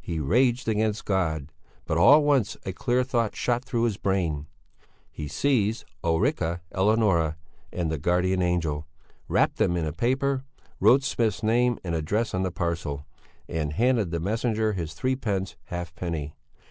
He raged against God. But all at once a clear thought shot through his brain. He seized Ulrica Eleonora and the guardian angel, wrapped them in paper, wrote Smith's name and address on the parcel, and handed the messenger his threepence halfpenny.